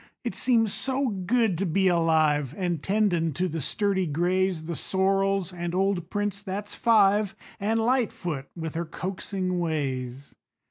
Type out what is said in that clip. It seems so good to be alive, An' tendin' to the sturdy grays, The sorrels, and old Prince, that's five An' Lightfoot with her coaxing ways.